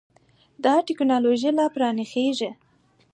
دا ټېکنالوژي لا پراخېږي.